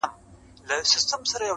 • عمرونه کیږي بلبل دي غواړي -